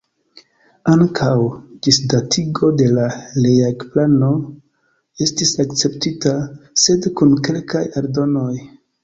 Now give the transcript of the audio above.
Ankaŭ la ĝisdatigo de la realigplano estis akceptita, sed kun kelkaj aldonoj.